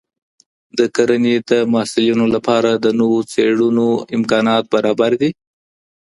د کرنې د محصلینو لپاره د نویو څیړنو امکانات برابر دي؟